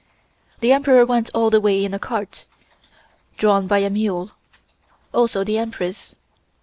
"The Emperor went all the way in a cart, drawn by a mule, also the Empress.